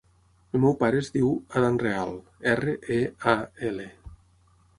El meu pare es diu Adán Real: erra, e, a, ela.